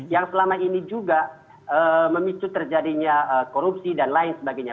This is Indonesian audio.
yang selama ini juga memicu terjadinya korupsi dan lain sebagainya